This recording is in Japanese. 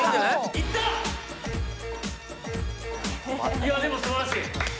いやでも素晴らしい。